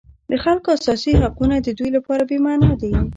د خلکو اساسي حقونه د دوی لپاره بېمعنا دي.